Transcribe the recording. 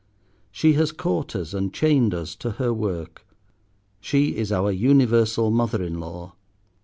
She has caught us, and chained us to her work. She is our universal mother in law.